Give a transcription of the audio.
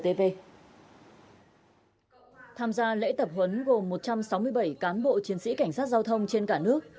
tham gia lễ tập huấn gồm một trăm sáu mươi bảy cán bộ chiến sĩ cảnh sát giao thông trên cả nước